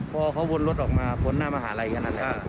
พอเขาวนรถออกมาวนหน้ามหาลัยแค่นั้น